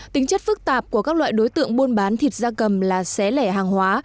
tính chất phức tạp của các loại đối tượng buôn bán thịt da cầm là xé lẻ hàng hóa